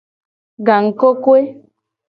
Gangkokoe.